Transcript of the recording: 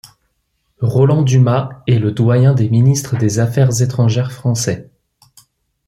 Roland Dumas est le doyen des ministres des Affaires étrangères français.